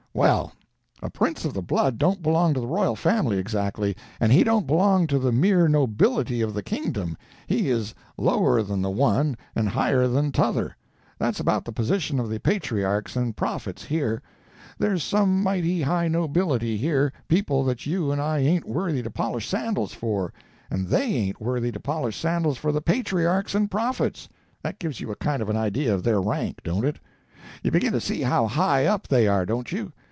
"Well, a prince of the blood don't belong to the royal family exactly, and he don't belong to the mere nobility of the kingdom; he is lower than the one, and higher than t'other. That's about the position of the patriarchs and prophets here. There's some mighty high nobility here—people that you and I ain't worthy to polish sandals for—and they ain't worthy to polish sandals for the patriarchs and prophets. That gives you a kind of an idea of their rank, don't it? You begin to see how high up they are, don't you?